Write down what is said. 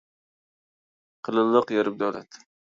قېلىنلىق يېرىم دۆلەت.